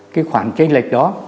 cái khoản tranh lệch đó